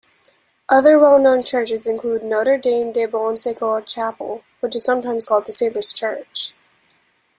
Other well-known churches include Notre-Dame-de-Bon-Secours Chapel, which is sometimes called the Sailors' Church.